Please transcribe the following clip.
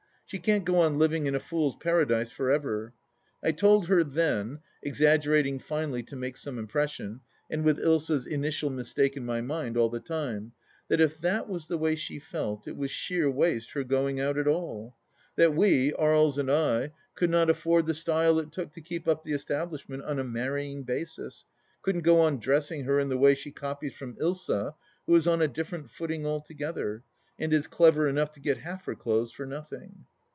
She can't go on living in a fool's paradise for ever. I told her then — exaggerating finely to make some impression, and with Ilsa's initial mistake in my mind all the time — ^that if that was the way she felt, it was sheer waste her going out at all. That we, Aries and I, could not afford the style it took to keep up the establishment on a marrying basis, couldn't go on dressing her in the way she copies from Ilsa, who is on a different footing altogether and is clever enough to get half her clothes for nothing.